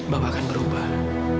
bapak akan berubah